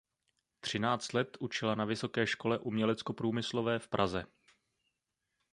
Třináct let učila na Vysoké škole uměleckoprůmyslové v Praze.